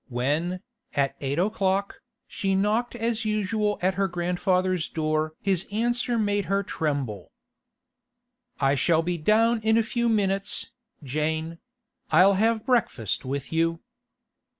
When, at eight o'clock, she knocked as usual at her grandfather's door his answer made her tremble. 'I shall be down in a few minutes, Jane; I'll have breakfast with you.